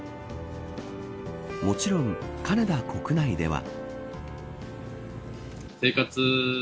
もちろんカナダ国内では。